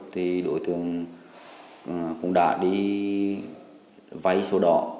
thì đối tượng cũng đã đi vay sổ đỏ